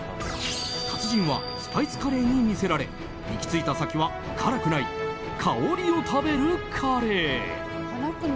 達人はスパイスカレーに魅せられ行き着いた先は辛くない香りを食べるカレー。